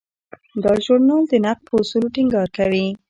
دا ژورنال د نقد په اصولو ټینګار کوي.